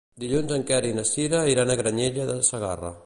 Dilluns en Quer i na Sira iran a Granyena de Segarra.